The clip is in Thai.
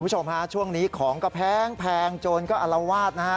คุณผู้ชมฮะช่วงนี้ของก็แพงโจรก็อลวาดนะฮะ